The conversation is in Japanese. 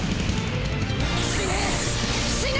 死ね！